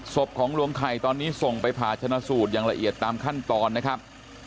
ศพของลวงไข่ตอนนี้ส่งไปผ่าชนะสูตรอย่างละเอียดตามขั้นตอนนะครับ